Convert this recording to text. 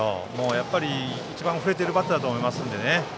やっぱり、一番振れているバッターだと思うので。